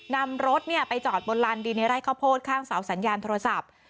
นำรถไปจอดบนลานดินในไร่ข้าวโพดข้างเสาสัญญาณโทรศัพท์